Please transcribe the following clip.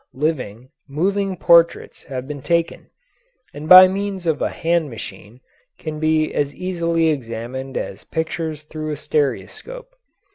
Living, moving portraits have been taken, and by means of a hand machine can be as easily examined as pictures through a stereoscope.